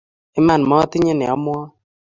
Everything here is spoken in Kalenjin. iman motinye nee amwoe